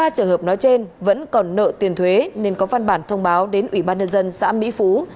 ba trường hợp nói trên vẫn còn nợ tiền thuế nên có văn bản thông báo đến ủy ban nhân dân xã mỹ phú